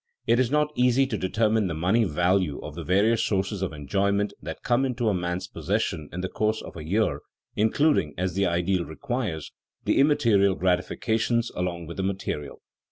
It is not easy to determine the money value of the various sources of enjoyment that come into a man's possession in the course of a year, including, as the ideal requires, the immaterial gratifications along with the material.